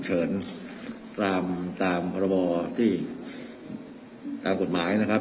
เฉินตามตามรบที่ตามอกต่อมานี้นะครับ